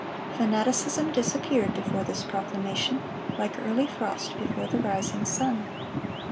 Fanaticism disappeared before this proclamation, like early frost before the rising sun.